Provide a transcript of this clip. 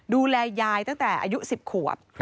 ดูแลยายตั้งแต่อายุ๑๐ขวบ